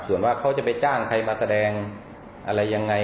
ส่วนว่าเขาจะไปจ้างใครมาแสดงอะไรยังไง